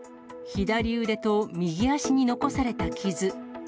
左腕と右足に残された傷。